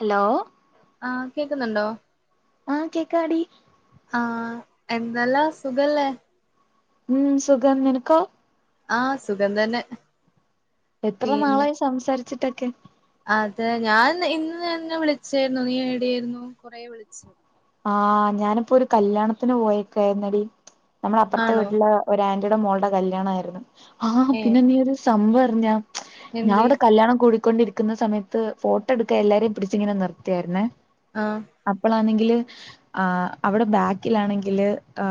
Hello. ആ കേക്ക്ന്നുണ്ടോ. ആ കേക്കാടി. ആ എന്തല്ലാ സുഖല്ലേ ഉം സുഖം നിനക്കോ. ആ സുഖം തന്നെ എത്ര പിന്നെ നാളായി സംസാര്ച്ചിട്ടൊക്കെ. അതെ ഞാൻ ഇന്ന് നിന്നെ വിളിച്ചായിരുന്നു നീ എഡ്യായിരുന്നു കൊറെ വിളിച് ആ ഞാന് ഇപ്പോ ഒരു കല്യാണത്തിന് പോയേക്കുവായിര്ന്നെടി നമ്മള അപ്പർത്ത ആണോ വീട്ടില ഒരാന്റിടെ മോൾടെ കല്ല്യാണാര്ന്ന് ആ ഏഹ് പിന്നെ നീ ഒര് സംഭവർഞ്ഞ ഞാ എന്തേ അവ്ടെ കല്യാണം കൂടിക്കൊണ്ടിരി ക്ക്ന്ന സമയത്ത് ഫോട്ടോ ഇട്ക്കാ എല്ലാരേം പിടിച്ച് ഇങ്ങനെ നിർത്തിയാര്ന്നെ. ആ അപ്പോളാണെങ്കില് ആ അവിടെ ബാക്കിലാണെങ്കില് ആ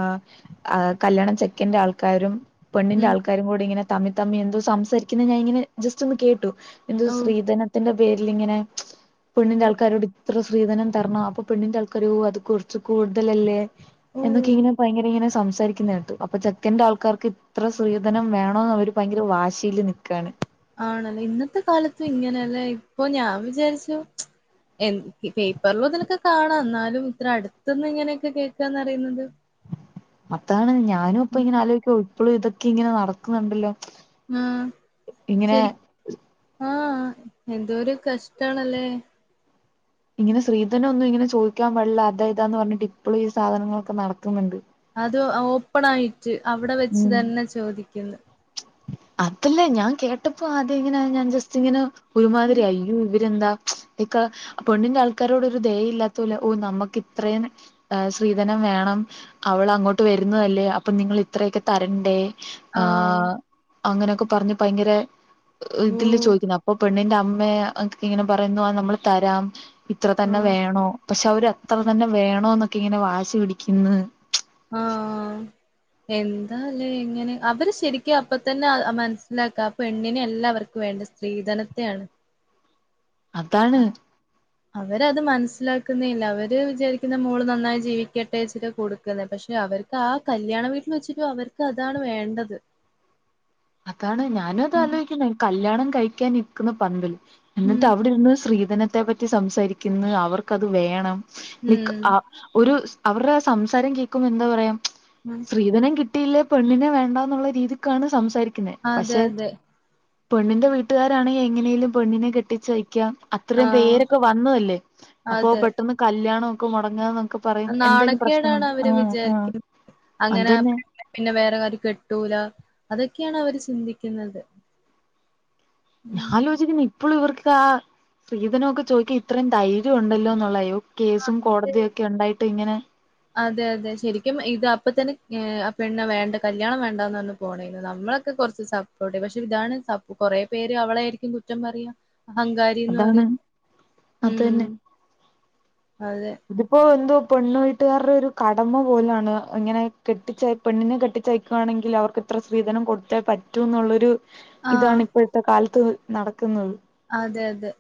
ആ കല്യാണം ചെക്കന്റെ ആൾക്കാരും പെണ്ണിന്റെ ഉം ആൾക്കാരും കൂടി ഇങ്ങനെ തമ്മി തമ്മി എന്തോ സംസാരിക്കുന്ന ഞാനിങ്ങനെ ജസ്റ്റ് ഒന്ന് കേട്ടു. എന്തോ ഓ ശ്രീധനത്തിന്റെ പേരിലിങ്ങന പെണ്ണിന്റെ ഓ ആൾക്കാരോട് ഇത്ര ശ്രീധനം തർണോ അപ്പൊ പെണ്ണിന്റെ ആൾക്കാര് ഓ അത് കൊറച്ച് കൂടുതലല്ലേ ഓ എന്നൊക്കെ ഇങ്ങനെ ഭയങ്കര ഇങ്ങനെ സംസാരി ക്കുന്നെ കേട്ടു അപ്പൊ ചെക്കന്റെ ആൾക്കാർക്ക് ഇത്ര ശ്രീധനം വേണോന്നവര് ഭയങ്കര വാശീല് നിക്കാണ്. ആണല്ലേ ഇന്നത്തെ കാലത്തും ഇങ്ങനല്ലേ ഇപ്പൊ ഞാൻ വിചാരിച്ചു ച്ച് എന്ന് ക് പേപ്പറിലു അതിലെക്കെ കാണാ ന്നാലും ഇത്ര അടുത്ത്ന്ന് ഇങ്ങനെയക്കെ കേക്കാന്നറിയുന്നത് അതാണ് ഞാനു ഇപ്പ ഉം ഇങ്ങനെ ആലോചി ക്ക്വഇപ്പളും ഇതൊക്കെ ഇങ്ങനെ നടക്ക്ന്ന്ണ്ടല്ലോ ആഹ് ശരി ആഹ് എന്തോ ഒര് കഷ്ടണല്ലേ? ഇങ്ങനെസ്ത്രീധനം ഒന്നുംഇങ്ങനെചോദിക്കാൻ പാടില്ല അതായിതാന്ന് പറഞ്ഞിട്ട് ഇപ്പോളുംഈ സാധനങ്ങളൊക്കെ നടക്കുന്നുണ്ട്. അത് ഓപ്പ ണായിട്ട് അവിടെ വെച്ച് തന്നെ ചോദിക്കുന്ന്. ചെഅതല്ലേ ഞാൻ കേട്ടപ്പോ ആദ്യ ഇവര്ഇങ്ങനെ ഞാൻ ജസ്റ്റ് ഇങ്ങനെ ഒരുമാതിരി യായി ഇ യ്യോ ഇവരെന്താ ച് ഇക്ക പണ്ണിന്റെ ആൾക്കാരോട് ഒരു ദയ ഇല്ലാത്ത പോല ഓഹ് നമുക്ക് ഇത്രേ ന്ന് അഹ് ശ്രീധനം വേണം അവൾ അങ്ങോട്ട് വരുന്നതല്ലേ അപ്പൊ നിങ്ങളി ഇത്രയക്കെ തരണ്ടേ ആ ആഹ് അങ്ങനെയൊക്കെ പറഞ്ഞു ഭയങ്കര ഓ ഇതില് ചോദിക്കണ അപ്പൊ പെണ്ണിന്റെ അമ്മേ കെഇങ്ങനെ പറയുന്നു ആഹ് നമ്മള് തരാം ഇത്ര തന്നെ ആഹ് വേണോ പക്ഷെ അവര്ത്ര തന്നെ വേണോന്നൊക്കെ ഇങ്ങനെ വാശി പിടിക്കുന്ന് [inaudible] എന്താ ലെ ഇങ്ങനെ അവര് ശരിക് അപ്പ തന്നെ അ മനസ്സിലാക്കാം പെണ്ണിനെ അല്ലാ അവർ ക്ക്‌വേണ്ടത് സ്ത്രീധനത്തെയാണ്. അതാണ്- അവരത് മനസ്സിലാക്കുന്നെ ഇല്ല അവര് വിചാരിക്കുന്ന മോള് നന്നായി ജീവിക്കട്ടെ ഇച്ചിട്ടാ കൊടുക് തനെപക്ഷെ അവർക്ക് ആ കല്യാണ വീട്ടിൽ വെച്ചിട്ട് അവർക്ക് അതാണ് വേണ്ടത്. അതാണ് ഞാനും അത ഉം ആലോചിക്ക ണെ കല്യാണം കഴിക്കാൻ നിക്കണ പന്തല് ഉം എന്നിട്ട് അവിടെര്ന്ന് സ്ത്രീധനത്തെ പറ്റി സംസാരിക്ക്ന്ന്അവർക്കത് വേണം ഉം നക്ക് അ ഒരു അവരുടെ സംസാരം കേൾക്കുമ്പോൾ എന്താ പറയാം ഉം സ്ത്രീധനം കി കിട്ടിയിലെ പെണ്ണിനെ വേണ്ടന്നുള്ള രീതിക്കാണ് സംസാരിക്കുന്നെ അതെ പക്ഷെ അതെ പെണ്ണിന്റെ വീട്ടുകാരാണെ എങ്ങനെലും പെണ്ണിനെ കെട്ടിച്ചയ്ക്കാം അത്രയും ആഹ് പേരൊക്കെ വന്നതല്ലേ അപ്പോ അതെ പെട്ടന്ന് കല്ല്യാണം ഒക്കെ മുടങ്ങാന്നൊക്കെ പറയും എന്തെലും പ്രശ്നം നാണക്കേടാണ് അവര് അഹ് വിചാരി അഹ് അങ്ങനെ അതന്നെ പെണ്ണിനെ പിന്നെ വേറെവര്കെട്ടൂല അതൊക്കെയാണ് അവര് ചിന്തിക്കുന്നത്. ഉം. ഞാൻലോചിക്കുന്നു ഇപ്പോഴും ഇവർക്ക് അ സ്ത്രീധനമൊക്കെ ചോദിക്കൻ ഇത്രയും ധൈര്യം ഉണ്ടല്ലോ. എന്നുള്ളയോ കേസും കോടതിയും ഒക്കെ ഉണ്ടായിട്ട് ഇങ്ങനെ അതെ അതെ ശരി ക്കും ഇത് അപ്പതന്നെ ഏഹ് ആ പെണ്ണ് വേണ്ട കല്യാണം വേണ്ടന്ന് പറഞ്ഞ് പോണ നമ്മളൊക്കെ കുറച്ച് സപ്പോർട്ട് ചെയ്യപക്ഷെ ഇതാണ് സ കൊറെപേര് അവളെ ആയിരിക്കും കുറ്റം പറയ അങ്കാരിന്ന് അതാണ് പറയും അത് ഉം. തന്നെ അതെ ഇതിപ്പോ എന്തോ പെണ്ണു വീട്ടുകാരുടെ ഒരു കടമ പോലാണ് ഇങ്ങനെ കെട്ടിച്ച യ പെണ്ണിനെ കെട്ടിച്ചയക്കുവാണെങ്കിൽ അവർക്ക് ഇത്ര സ്ത്രീധനം കൊടുത്തേ പറ്റുഎന്നുള്ളൊരു ആഹ്. ഇതാണ് ഇപ്പോഴത്തെ കാലത്ത് നടക്ക്ന്നത് അതെ, അതെ.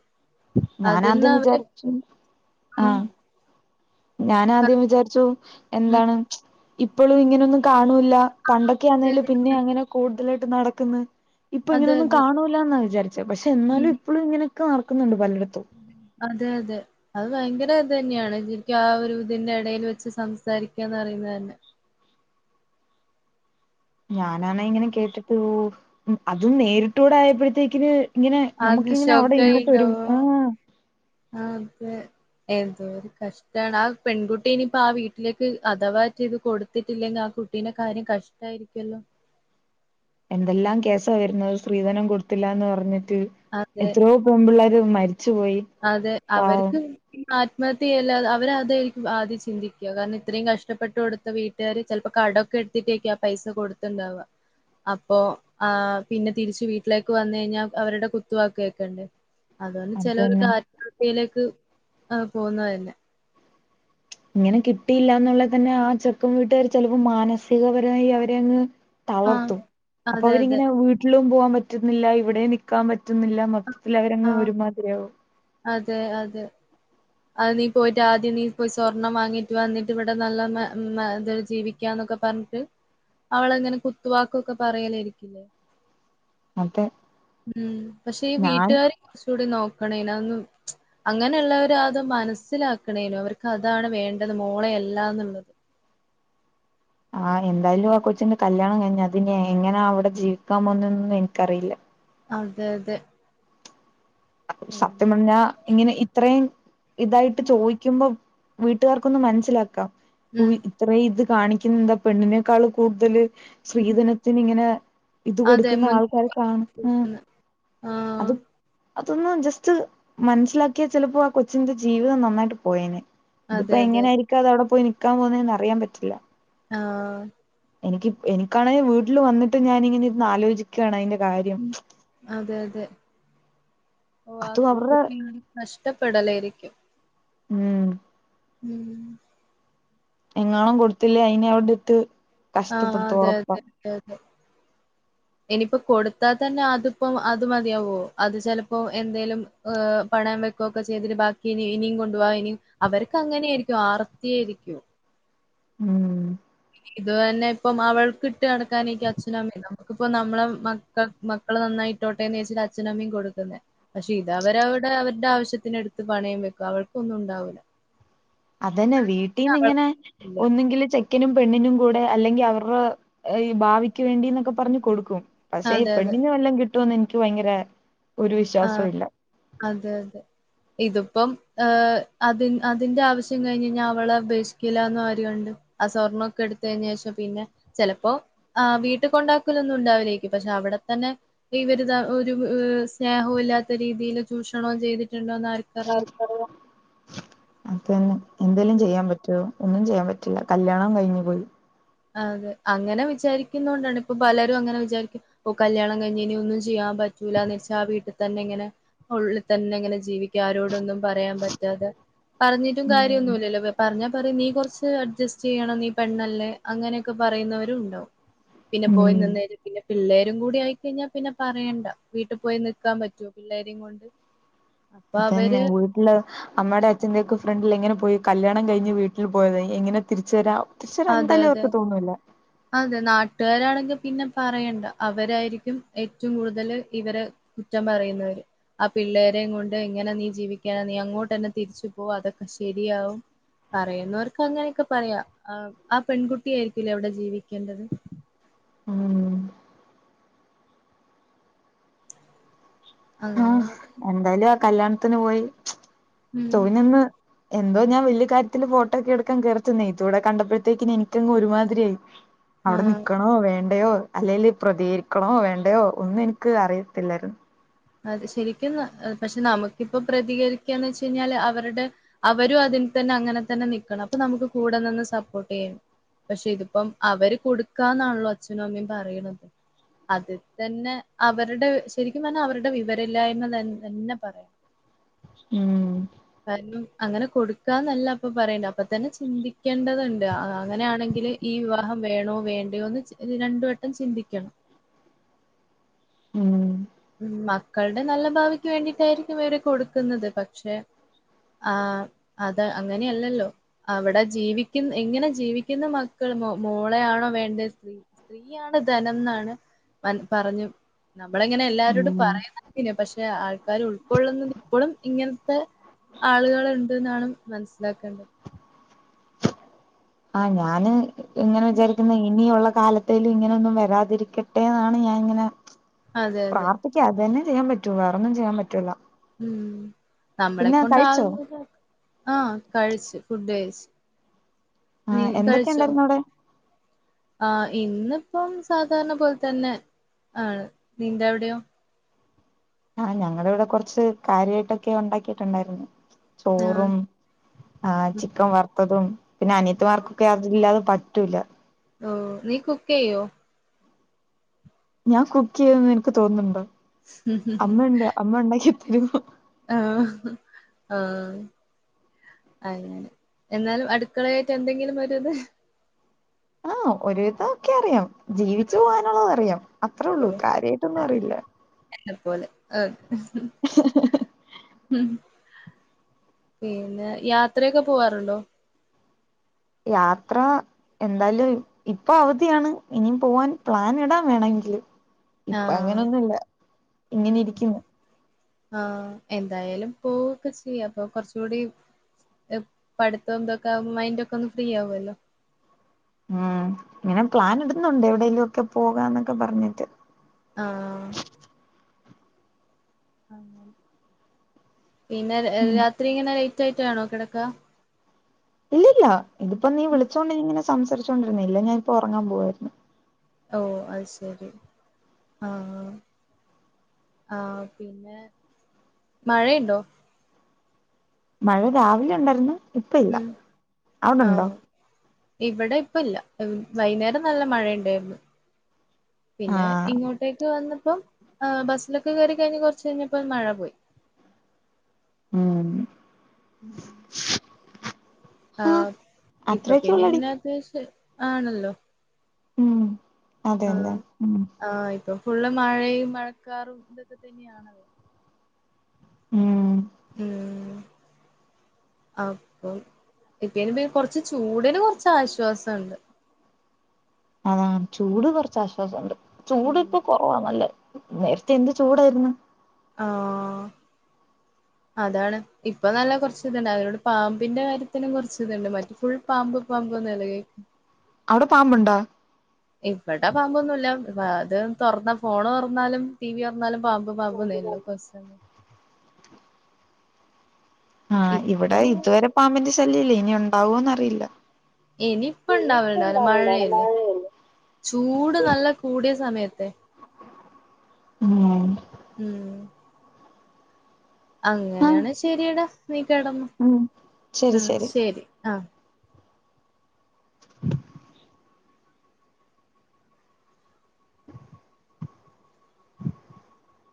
ഞാന അതന്നെ ആദ്യം അവര് വിചാരിച്ചു ആഹ്. അഹ്- ഞാൻ ആദ്യം വിചാരിച്ചു ഉം. എന്തണ് ഇപ്പോഴും ഇങ്ങനൊന്നും കാണൂല്ല പണ്ടൊക്കെ ആന്നേലു പിന്നെ അങ്ങനെ കൂടുതലാട്ട് നടക്കുന്ന് ഇപ്പൊ അതെ, ഇങ്ങനൊന്നും അതെ. കാണൂല്ലാന്നാ വിചാരിച്ചെ പക്ഷെ ഉം. എന്നാലും ഇപ്പളും ഇങ്ങനൊക്കെ നടക്കുന്നുണ്ട് പലടുത്തും അതെ അതെ അത് ഭയങ്കര ത് തന്നെയാണ് ശരിക്കും ആ ഒരു ഇതിന്റെ ഇടയിൽ വെച്ച് സംസാരിക്കാന്ന്റയുന്നത് തന്നെ ഞാനാണ ഇങ്ങനെ കേട്ടിട്ട് പൊലുംഅതും നേരിട്ടു ടആയപ്പോഴത്തേക്കിന് ഇങ്ങനെ ആകെ നമുക്കിങ്ങനെ അവിടെ ഇന്നിട്ട് ഒരു ങ് ആഹ് അതെ എന്തോ ഒരു കഷ്ടമാണ് ആ എന്തോര്കഷ്ടണ് ആപെൺകുട്ടി ഇനിപ്പോ ആ വീട്ടിലേക്ക്അഥവായിച് ഇത് കൊടുത്തിട്ടില്ലെങ്കി ആ കുട്ടി പിന്നെ കാര്യം കഷ്ടയിരിക്കുല്ലോ എന്തെല്ലാം കേസാ വരുന്നത് സ്ത്രീധനം കൊടുത്തില്ല ന്ന് പറഞ്ഞിട്ട് അതെ എത്രയോ പെൺപിള്ളേര് മരിച്ചു പോയി അതെ പാവം അവര്ക്ക് ആത്മഹത്യല്ല അവരതായിരിക്കും ആദ്യം ചിന്തിക്ക കാരണം ഇത്രയും കഷ്ടപ്പെട്ട കൊടുത്ത വീട്ടിൽ ചിലപ്പോ കടൊക്കെ എടുത്തിട്ട് ആയിരിക്കും ആ പൈസ കൊടുത്തുണ്ടവാ അപ്പോ ആഹ് പിന്നെ തിരിച്ച് വീട്ടിലേക്ക് വന്ന കഴിഞ്ഞാൽ അവരുടെ കുത്തുവാക്ക്കേൾക്കണ്ടെ അതുകൊണ്ട് അത് ചെലര് തന്നെ ആത്മഹതൃയിലേക്ക് പോകുന്നന്നെ ഇങ്ങനെ കിട്ടിയില്ലന്നുള്ളത് തന്നെ ആ ചെക്കൻ വീട്ടുകാർ ചിലപ്പോ മാനസികപരമായി അവരെ അങ്ങ് ആ തളർത്തും അപ്പൊ അതെ അതെ അവരിങ്ങനെ വീട് വീട്ടിലും പോകാൻ പറ്റുന്നില്ല ഇവിടെ നിൽക്കാൻ പറ്റുന്നില്ല മൊത്തത്തിൽ ആ അവരങ്ങ് ആ, ഒരുമാതിരിയാകും അതെ അതെ അത് നീ പോയിട്ട് ആദ്യം നീ പോയി സ്വർണം വാങ്ങിട്ട് വന്നിട്ട് ഇവിടെ നല്ല ഇത് ജീവിക്ക ന്നൊക്കെ പറഞ്ഞിട്ട് അവളെങ്ങനെ കുത്തുവാക്കും ഒക്കെ പറയലാരിക്കില്ലേ അപ്പൊ ഉം പക്ഷെ ഈ ഞാൻ വീട്ടുകാർ കുറച്ച്കൂടി നോക്കണം ഇന്നും അങ്ങനെയുള്ളവരാ അത് മനസ്സിലാക്കണേനും അവർക്ക് അതാണ് വേണ്ടത് മോളയല്ലാ എന്നുള്ളത് ആ എന്തായാലും ആ കൊച്ചിന്റെ കല്യാണം കയിഞ്ഞ് അത് ഇനി എങ്ങനാ അവിടെ ജീവിക്കാ പോന്നൊന്നും എനിക്കറിയില്ല അതെ അതെ സത്യം പറഞ്ഞാ ഇങ്ങനെ ഇത്രയും ഇതായിട്ട് ചോദിക്കുമ്പോ വീട്ടുകാർക്കൊന്ന് മനസ്സിലാക്കാം ഉം ഇത്രയും ഇത് കാണിക്കുന്ന എന്താ പെണ്ണിനേക്കാൾ കൂടുതല് സ്ത്രീധനത്തിന് ഇങ്ങനെ ഇത് അതെ കൊടുക്കുന്നാ മുൻ ആൾക്കാര് കാണും ആഹ് അത് അതൊന്ന് ജസ്റ്റ് മനസ്സിലാക്കിയാൽ ചിലപ്പോ ആ കൊച്ചിന്റെ ജീവിതം നന്നായിട്ട് പോയേനെ ഇതിപ്പോ അതെ അതെ എങ്ങനെയായിരിക്കും അത് അവിടെ പോയി നിക്കാ പോകുന്നന്ന് അറിയാൻ പറ്റില്ല ആഹ് എനിക്ക് എനിക്കാണെൽ വീട്ടിൽ വന്നിട്ട് ഞാൻ ഇങ്ങനെ ഇരുന്ന് ആലോചിക്കുകയാണ് അതിന്റെ കാര്യം ഉം അതെ അതെ ഓ ആ അതും കുട്ടി അവരുടെ ക്ക് കഷ്ടപ്പെടലായിരിക്കും ഉം ഉം എങ്ങനും കൊടുത്തില്ലേ അയിനെ അവിടെട്ട് ആഹ് കഷ്ടപ്പെടുത്തു അതെ ഉറപ്പാ അതെ അതെ അതെ ഇനിയിപ്പോ കൊടുത്താൽ തന്നെ അതിപ്പോ അത് മതിയാവോ അത് ചിലപ്പോ എന്തേലും ഹ് പണയം വെക്കുകൊക്കെ ചെയ്തിട്ട് ബാക്കി ഇ ഇനിയും കൊണ്ടുവാ ഇനിയും അവർക്ക് അങ്ങനെയ ആയിരിക്കും ആർത്തിയായിരിക്കും ഉം ഇത് തന്നെ ഇപ്പം അവൾക്കിട്ട് ഇത് തന്നെ ഇപ്പം അവൾക്ക്ട്ട് നടക്കാനായേക്കും അച്ഛനും അമ്മയും നമുക്കിപ്പം നമ്മളെ മക്ക മക്കള് നന്നായി ഇട്ടോട്ടേന്ന് വിചാരിച്ചിട്ടാ അച്ഛനും അമ്മയും കൊടുക്കുന്നേ പക്ഷെ ഇത് അവര് അവരുടെ അവരുടെ ആവശ്യത്തിനെടുത്ത് പണയം വെക്കും അവൾക്കൊന്നും ഇണ്ടാവൂല്ല അതന്നെ വീട്ടീന്ന്ങ്ങനെ ഇല്ല. ഒന്നങ്കില് ചെ ക്കനും പെണ്ണിനും കൂടെ അല്ലെങ്കി അവരുടെ ഈ ഭാവിക്ക് വേണ്ടിന്നൊക്കെ പറഞ്ഞ് കൊടുക്കും പക്ഷെ ഈ അതെ അതെ. പെണ്ണിനും വല്ലം കിട്ടോന്ന് എനിക്ക് ഭയങ്കര ഒര് ആ വിശ്വാസവില്ല അതെ അതെ. ഇതിപ്പം ഏഹ് അത് അതിന്റെ ആവിശ്യം കഴിഞ്ഞ് കഴിഞ്ഞാ അവളെ ഉപേക്ഷിക്കില്ലാന്ന് ആര് കണ്ട് ആ സ്വർണൊക്കെ എടുത്ത് കഴിഞ്ഞ ശേഷം പിന്നെ ചെലപ്പോ ആഹ് വീട്ടിൽ കൊണ്ടാക്കലൊന്നും ഇണ്ടാവുല്ലേക്കും പക്ഷെ അവടെത്തന്നെ ഇവര്താ ഒര് സ് സ്നേഹവല്ലാത്ത രീതിയില് ചൂഷണവും ചെയ്തിട്ടുണ്ടോന്ന് ആര് ആർക്കറിയാം പിന്നെ എന്തേലും ചെയ്യാൻ പറ്റോ ഒന്നും ചെയ്യാൻ പറ്റില്ല കല്യാണം കഴിഞ്ഞു പോയി ആഹ് അതെ അങ്ങനെ വിചാരിക്കുന്നോണ്ടാണ് ഇപ്പ പലരും അങ്ങനെ വിചാരിക്കും ഇപ്പോ കല്യാണം കഴിഞ്ഞ് ഇനി ഒന്നും ചെയ്യാൻ പറ്റൂലാന്ന് വിചാരിച്ച് ആ വീട്ടിൽ തന്നെ ഇങ്ങനെ ഉള്ള് തന്നെ ഇങ്ങനെ ജീവി ക്കും ആരോടൊന്നും പറയാൻ പറ്റാതെ പറഞ്ഞിട്ടും ഉം കാര്യമൊന്നുമില്ലല്ലോ വെ പറഞ്ഞാ പറയും നീ കൊറച്ച് അഡ്ജസ്റ്റെയ്യണം നീ പെണ്ണല്ലേ അങ്ങനെയൊക്കെ പറയുന്നവരും ഇണ്ടാവും പിന്നെ ഉം പോയി നിന്നേര് പിന്നെ പിള്ളേരും കൂടി ആയികഴിഞ്ഞാ പിന്നെ പറയേണ്ട വീട്ട് പോയി നിക്കാൻ പറ്റോ പിള്ളേരെയും കൊണ്ട് അപ്പൊ തന്നെ അവര് വീട്ടില് അമ്മടെ [unintelligible] ഫ്രണ്ടില് എങ്ങനെ പോയി കല്യാണം കഴിഞ്ഞ് വീട്ടില് പോയതാ എങ്ങനെ തിരിച്ച് വരാ തിരിച്ചു വരാൻ അതെ എന്തായാലും അതെ അവർക്ക് തോന്നൂല്ല അതെ നാട്ടാരാണെങ്കി പിന്നെ പറയണ്ട അവരായിരിക്കും ഏറ്റവും കൂടുതല് ഇവരെ കുറ്റം പറയുന്നവര് ആ പിള്ളേരേം കൊണ്ട് എങ്ങനെ നീ ജീവിക്കാനാ നീ അങ്ങോട്ടന്നെ തിരിച്ച് പോ അതൊക്കെ ശെരിയാവും പറയുന്നോർക്ക് അങ്ങനെക്കെ പറയാ ആ ആ പെൺകുട്ടി ആയിരിക്ക്ലെ അവടെ ജീവിക്കേണ്ടത് ഹ്മ്മ് അങ്ങ് ആഹ് എന്തായാലും ആ കല്യാണത്തിന് പോയി ഉം [unintelligible] നൊന്ന് എന്തോ ഞാൻ വല്യ കാര്യത്തില് ഫോട്ടോ ഒക്കെ എടുക്കാൻ കേറിചെന്നേ ഇതൂടെ കണ്ടപ്പഴ്ത്തേക്ക് എനിക്കങ്ങ് ഒരുമാതിരിയായി [inaudible] ആ അവടെ നിക്കണോ വേണ്ടയോ അല്ലേല് പ്രതികരിക്കണോ വേണ്ടയോ ഒന്നും എനിക്ക് അറിയത്തില്ലായിര്ന്ന് അത് ശെരിക്കും ന പക്ഷെ നമുക്കിപ്പൊ പ്രതികരിക്കാന്ന് വെച്ച് കഴിഞ്ഞാല് അവര്ടെ അവരും അതിൽ തന്നെ അങ്ങനത്തന്നെ നിക്കണം അപ്പ നമുക്ക് കൂടെ നിന്ന് സപ്പോട്ടെയ്യും പക്ഷെ ഇത്പ്പം അവര് കൊടുക്കാന്നാണല്ലോ അച്ഛനും അമ്മയും പറയ്ണത്. അതിൽ തന്നെ അവരുടെ ശെരിക്കും പറഞ്ഞാ അവരുടെ വിവരല്ലായ്മ ത തന്നെ പറയാം ഹ്മ്മ് കാരണം അങ്ങനെ കൊടുക്കാന്നല്ല അപ്പ പറയണ്ടെ അപ്പ തന്നെ ചിന്തിക്കേണ്ടത്ണ്ട് അ അങ്ങനെയാണെങ്കില് ഈ വിവാഹം വേണോ വേണ്ടെയോന്ന് രചി ണ്ട് വട്ടം ചിന്തിക്കണം ഹ്മ്മ് ഹ്മ്മ് മക്കൾടെ നല്ല ഭാവിക്ക് വേണ്ടിട്ടായിരിക്കും ഇവര് കൊടുക്കുന്നത് പക്ഷെ ആഹ് അത് അങ്ങനെയല്ലല്ലോ അവടെ ജീവിക്കും എങ്ങനെ ജീവിക്കുന്ന മക്കള് മോ മോളെയാണോ വേണ്ടേ സ്ത്രീ സ്ത്രീയാണ് ധനംന്നാണ് മൻ പറഞ്ഞു നമ്മളെ ഇങ്ങനെ എല്ലാരോടും ഉം പറയാൻ പറ്റില്ല പക്ഷെ ആൾക്കാര് ഉൾ ക്കൊള്ളുന്ന ഇപ്പോളും ഇങ്ങൻത്തെ ആളുകള് ണ്ട് ന്നാണ് മൻസ്സിലാക്കണ്ട്. ആഹ് ഞാന് ഇങ്ങനെ വിചാരിക്കുന്നെ ഇനിയുള്ള കാല ത്തേല് ഇങ്ങനൊന്നും വരാതിരിക്കട്ടെ ന്നാണ് ഞാൻ ഇങ്ങനെ. അതെ അതെ പക്ക് അതന്നെചെയ്യാൻ പറ്റൂ. വേറൊന്നും ചെയ്യാൻ പറ്റൂല്ല ഉം നമ്മളെ കഴിച്ചോ കൊണ്ടാകുന്ന ആഹ് കഴിച്ചു ഫുഡ് കഴച്ച് നീ ആഹ് എന്തൊക്കെ കഴിച്ചോ? ഉണ്ടായിരുന്നു അവിടെ ആഹ് ഇന്നിപ്പം സാധാരണ പോൽ തന്നെ. ആണ് നിന്റവിടെയോ? ആഹ് ഞങ്ങള് വിടെ കുറച്ച് കാര്യായിട്ടൊക്കെ ഉണ്ടാക്കിയിട്ടുണ്ടായിരുന്നു. ചോറും ആഹ് ചിക്കൻ വർ ത്തതും പിന്നെ അനിയത്തിമാർക്കൊക്കെ അതില്ലാതെ പറ്റുല്ല. ഓഹ് നീ കുക്കെയ്യോ? ഞാൻ കുക്കെയ്യുംന്ന് നിനക്ക് തോന്നുന്നുണ്ടോ? അമ്മ യൊണ്ട് അമ്മ ഒണ്ടാക്കി ത്തരും. ആഹ് ആഹ് അങ്ങനെ എന്നാലും അടുക്കളയായിട്ട് എന്തെങ്കിലും ഒരിത്. ആഹ് ഒരുവിതൊക്കെ അറിയാം. ജീവിച്ചു പോകാനുള്ളതറിയാം അത്രേ ഒള്ളൂ ഓഹ് കാര്യായിട്ടൊന്നു അറിയില്ല. എന്നെ പോലെ ആഹ് ഉഹും ഹും പിന്നെ യാത്രെക്കെ പോവാറുണ്ടോ? യാത്ര എന്തായാലും ഇപ്പൊ അവധിയാണ് ഇനിയും പോവാൻ പ്ലാൻ ഇടാംവേണെങ്കില്. ആഹ് ഇപ്പങ്ങനൊന്നുല്ല ഇങ്ങനെ ഉം ഇരിക്കുന്നു. ആഹ് എന്തായാലും പോവൊക്കെ ചെയ്യ അപ്പൊ കൊർചൂടി എഹ് പഠിത്തം ഇതൊക്കെ മൈൻഡ് ഒക്കെ ഒന്ന് ഫ്രീ ആവൊല്ലോ ഉം ഇങ്ങനെ പ്ലാൻ ഇടുന്നുണ്ട് എവിടെേങ്കലും ഒക്കെ പോകാന്നൊക്കെ പറഞ്ഞിട്ട് ആഹ് പിന്നെ ഉം രാത്രി ഇങ്ങനെ ലേറ്റ് ആയിട്ടാണോ കിടക്ക ഇല്ലല്ല ഇതിപ്പൊ നീ വിളിച്ചോണ്ട് ങ്ങനെ സംസാരിച്ചോണ്ടിരുന്നില്ല ഞാനിപ്പ ഉറങ്ങാൻ പോവായിരുന്നു ഓഹ് അഹ് ശരി ആഹ് ആഹ് പിന്നെ മഴയുണ്ടോ മഴ രാവിലെ ഉണ്ടായിര്ന്നു ഉം ആഹ് ഇവടെ ഇപ്പ ഇല്ല വൈകുന്നേരം നല്ല മഴയണ്ടായിരുന്നു പിന്നെ ആഹ് ഇങ്ങോട്ടേക്ക് വന്നപ്പോം ഏഹ് ബസ്സിലൊക്കെ കയറി കഴിഞ്ഞ് കൊറച്ചഴിഞ്ഞപ്പോ മഴ പോയി ഉം ഉം ആഹ് ഇപ്പൊ അത്രയൊക്കെ പിന്നെ ഉള്ളടി ഇങ്ങനെ അത്യാശ്യ ആണല്ലോ ഉം ആഹ് അതെല്ലേ ഉം ആഹ് ഇപ്പൊ ഫുള്ള് മഴയും മഴക്കാറും ഇതൊക്കെ തന്നെയാണല്ലോ ഉം ഉം അപ്പൊ ഇപ്പയ്ന് കൊറച്ച് ചൂട്ന് കുറച്ച് ആശ്വാസണ്ട് ആഹ് ചൂട് കൊറച്ചാശ്വാസണ്ട് ചൂട് ഉം ഇപ്പൊ കൊ ഓഹ് നല്ല നേരത്തെ എന്ത് ചൂടായിരുന്നു ആഹ് [unintelligible] അതാണ് ഇപ്പൊ നല്ല കുറച്ച് ഇതുണ്ട് അവരോട് പാമ്പിന്റെ കാര്യത്തിനും കുറച്ച് ഇതുണ്ട് മറ്റ ഫുൾ പാമ്പ് പാമ്പ് നിലകേക്കും അവിടെ പാമ്പുണ്ടാ ഇവടെ പാമ്പൊന്നുല്ല അത് തുറന്ന ഫോണ് തുറന്നാലും ടി വി തുറന്നാലും പാ ഇപ്പം പാമ്പന്നെ ഉള്ളു കൊസലെ ആഹ് ഇപ്പൊ ഇവിടെ ഇതുവരെ പാമ്പിന്റെ ശല്യം ഇല്ല ഇനി ഉണ്ടാവോന്നറിയില്ല ഇനിയിപ്പ ഇണ്ടാവലുണ്ടല്ല മഴയല്ലേ ചൂട് നല്ല കൂടിയ സമയത്തെ ഉം ഉം ആഹ് അങ്ങനെയാണെ ശെരിയടാ നീ കെടന്നൊ ഉം ഉം ശരി ആഹ് [unintelligible]